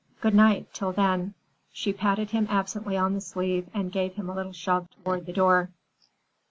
Goodnight, till then." She patted him absently on the sleeve and gave him a little shove toward the door.